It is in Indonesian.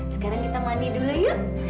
sekarang kita mandi dulu yuk